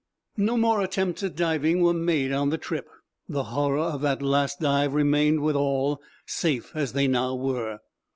No more attempts at diving were made on the trip. The horror of that last dive remained with all, safe as they now were.